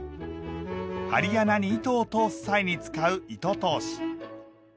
針穴に糸を通す際に使う糸通し。